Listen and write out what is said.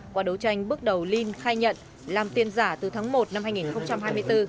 qua đấu tranh bước đầu linh khai nhận làm tiền giả từ tháng một năm hai nghìn hai mươi bốn